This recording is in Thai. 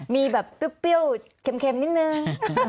มีแบบเปรี้ยวเค็มนิดนึง